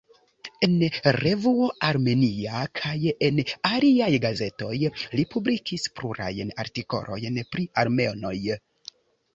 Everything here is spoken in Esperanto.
En revuo "Armenia" kaj en aliaj gazetoj li publikis plurajn artikolojn pri armenoj.